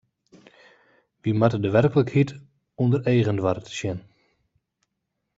Wy moatte de werklikheid ûnder eagen doare te sjen.